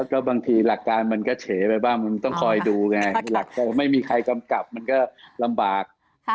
ก็บางทีหลักการมันก็เฉไปบ้างมันต้องคอยดูไงหลักก็ไม่มีใครกำกับมันก็ลำบาก